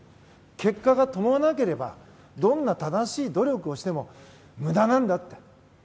結果が伴わなければどんな正しい努力をしても無駄なんだって。